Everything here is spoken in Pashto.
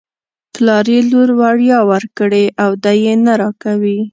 پلار یې لور وړيا ورکړې او دی یې نه راکوي.